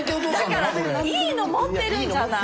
だからいいの持ってるんじゃない？